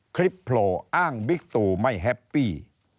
คลิปโปรอ้างบิ๊กตูไม่แฮปปี้